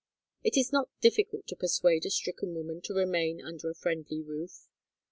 It is not difficult to persuade a stricken woman to remain under a friendly roof.